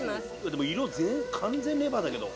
でも色完全レバーだけど。